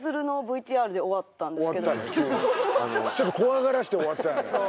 ちょっと怖がらせて終わったよね